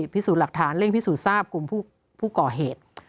พิสูจน์หลักฐานเร่งพิสูจน์ทราบกลุ่มผู้ก่อเหตุ